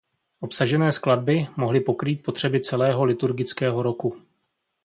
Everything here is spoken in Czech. Obsažené skladby mohly pokrýt potřeby celého liturgického roku.